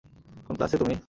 কোন ক্লাসে তুমি?